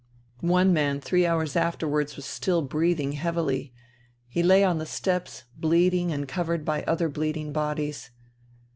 One man three hours afterwards was still breathing heavily. He lay on the steps, bleeding, and covered by other bleeding bodies.